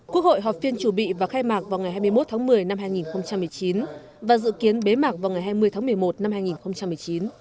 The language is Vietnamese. quốc hội họp phiên chủ bị và khai mạc vào ngày hai mươi một tháng một mươi năm hai nghìn một mươi chín và dự kiến bế mạc vào ngày hai mươi tháng một mươi một năm hai nghìn một mươi chín